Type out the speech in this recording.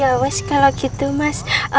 ya mas kalau gitu mas